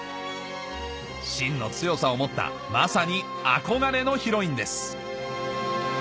しんの強さを持ったまさに憧れのヒロインです